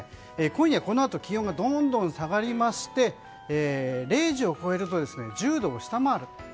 今夜このあと気温がどんどん下がりまして０時を超えると１０度を下回る。